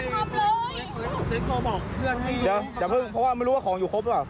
ผมมันไม่มีเรื่องออกเลยเดี๋ยวเดี๋ยวเดี๋ยวเพิ่งเพราะว่าไม่รู้ว่าของอยู่ครบหรอ